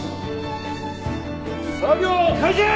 作業開始！